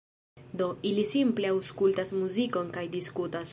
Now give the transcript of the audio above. Do, ili simple aŭskultas muzikon kaj diskutas